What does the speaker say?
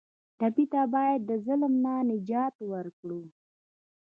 ټپي ته باید د ظلم نه نجات ورکړو.